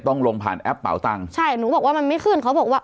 ต้องลงผ่านแอปเป่าตังค์ใช่หนูบอกว่ามันไม่ขึ้นเขาบอกว่า